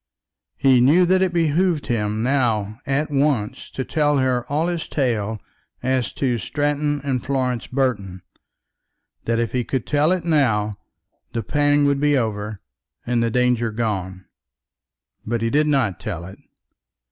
He knew that it behoved him now at once to tell her all his tale as to Stratton and Florence Burton; that if he could tell it now, the pang would be over and the danger gone. But he did not tell it.